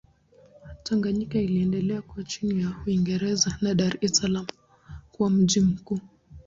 Tanganyika iliendelea kuwa chini ya Uingereza na Dar es Salaam kuwa mji mkuu.